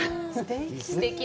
すてき。